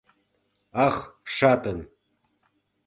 — Ах, шатын!